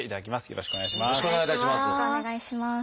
よろしくお願いします。